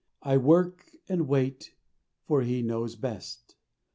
I work and wait, for He knows best.